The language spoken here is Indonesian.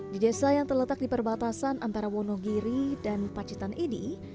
di desa yang terletak di perbatasan antara wonogiri dan pacitan ini